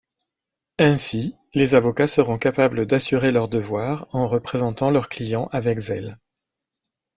Ainsi, les avocats seront capables d'assurer leur devoir en représentant leurs clients avec zèle.